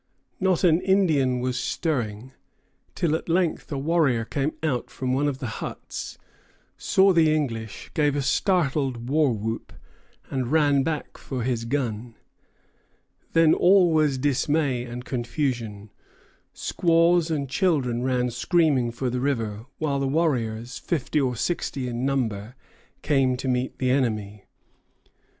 Not an Indian was stirring, till at length a warrior came out from one of the huts, saw the English, gave a startled war whoop, and ran back for his gun. Then all was dismay and confusion. Squaws and children ran screaming for the river, while the warriors, fifty or sixty in number, came to meet the enemy.